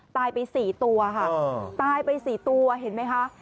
ตายไป๔ตัวค่ะตายไป๔ตัวเห็นไหมคะ